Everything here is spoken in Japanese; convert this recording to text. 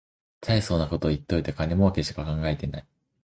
たいそうなこと言っといて金もうけしか考えてない